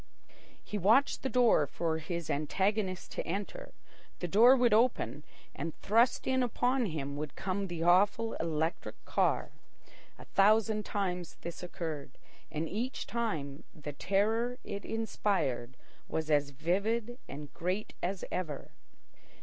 He watched the door for his antagonist to enter. The door would open, and thrust in upon him would come the awful electric car. A thousand times this occurred, and each time the terror it inspired was as vivid and great as ever.